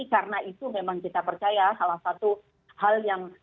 karena itu memang kita percaya salah satu hal yang